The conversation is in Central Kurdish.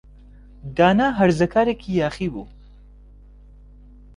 دانا هەرزەکارێکی یاخی بوو.